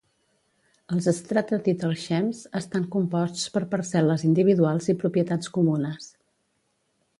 Els "Strata Title Schemes" estan composts per parcel·les individuals i propietats comunes.